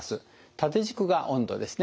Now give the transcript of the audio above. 縦軸が温度ですね。